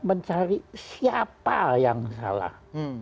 mencari siapa yang salah